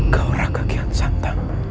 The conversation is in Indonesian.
kau raka kian santang